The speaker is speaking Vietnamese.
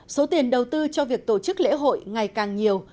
số tiền đầu tư cho việc tổ chức lễ hội ngày càng nhiều